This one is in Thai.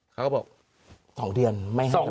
เขาก็บอก๒เดือนไม่ให้สัมภาษณ์